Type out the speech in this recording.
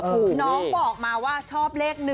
คือน้องบอกมาว่าชอบเลข๑